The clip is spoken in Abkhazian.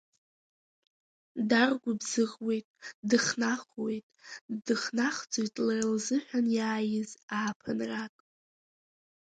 Даргәыбзыӷуеит, дыхнахуеит, дыхнахӡоит лара лзыҳәан иааиз ааԥынрак.